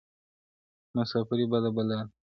• مساپري بده بلا ده -